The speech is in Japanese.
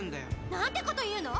何てこと言うの！？